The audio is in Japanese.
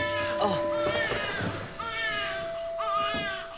あっ。